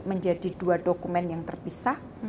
menjadi dua dokumen yang terpisah